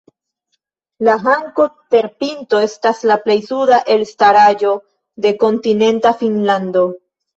La Hanko-terpinto estas la plej suda elstaraĵo de kontinenta Finnlando.